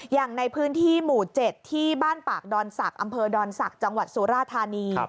อย่างในพื้นที่หมู่๗ที่บ้านปากอำเภอดอนศักดิ์จังหวัดสุรภาษณีย์